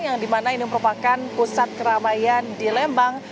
yang dimana ini merupakan pusat keramaian di lembang